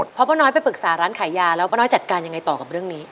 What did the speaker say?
เพราะป้าน้อยไปปรึกษาร้านขายยาแล้ว